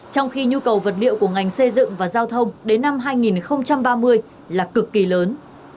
trong khi nhu cầu vật liệu của ngành xây dựng và giao thông đến năm hai nghìn ba mươi là cực kỳ lớn